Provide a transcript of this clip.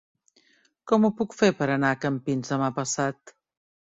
Com ho puc fer per anar a Campins demà passat?